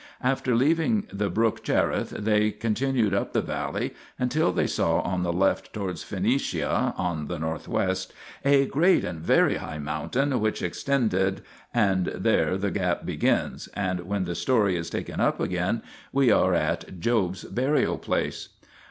After leaving the brook Cherith they continued up the valley until they saw on the left towards Phoenicia (on the N. W.) "a great and very high mountain which extended," and there the gap begins, and when the story is taken up again we are at Job's burial place.